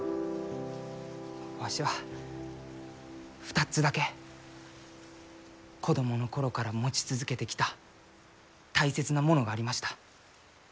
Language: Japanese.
わしは２つだけ子供の頃から持ち続けてきた大切なものがありました。